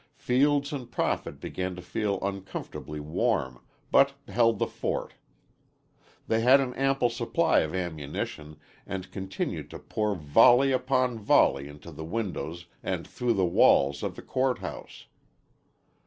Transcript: Fields and Profitt began to feel uncomfortably warm, but held the fort. They had an ample supply of ammunition and continued to pour volley upon volley into the windows and through the walls of the court house.